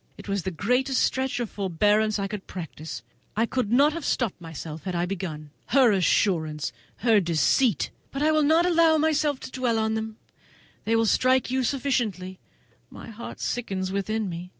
It was the greatest stretch of forbearance I could practise. I could not have stopped myself had I begun. Her assurance! her deceit! but I will not allow myself to dwell on them; they will strike you sufficiently. My heart sickens within me.